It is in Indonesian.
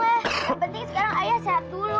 yang penting sekarang ayah sehat dulu